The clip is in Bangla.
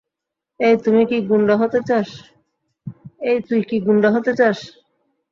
এই, তুই কি গুণ্ডা হতে চাস?